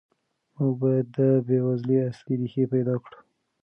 موږ باید د بېوزلۍ اصلي ریښې پیدا کړو.